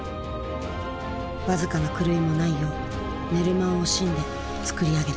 僅かな狂いもないよう寝る間を惜しんで作り上げた。